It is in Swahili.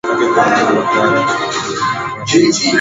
ili isiathiri uchaguzi wa rais huku mji mkuu port of prince